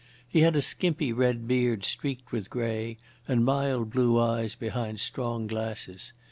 He had a skimpy red beard streaked with grey, and mild blue eyes behind strong glasses.